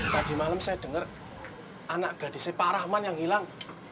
tadi malam saya dengar anak gadisnya pak rahman yang hilang